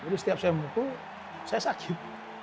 jadi setiap saya muntul saya sakit